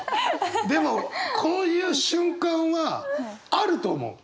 でもこういう瞬間はあると思う。